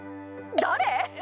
誰？